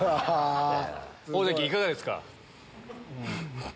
大関いかがですか？